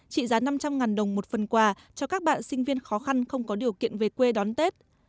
trị giá năm trăm linh đồng một phần quà cho các bạn sinh viên khó khăn không có điều kiện về quê đón tết